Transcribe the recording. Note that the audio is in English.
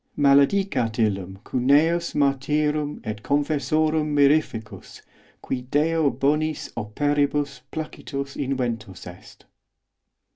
Maledicat illum cuneus martyrum et confessorum mirificus, qui Deo bonis operibus placitus inventus est.